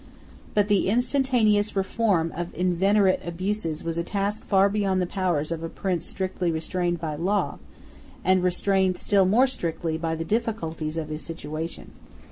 But the instantaneous reform of inveterate abuses was a task far beyond the powers of a prince strictly restrained by law, and restrained still more strictly by the difficulties of his situation.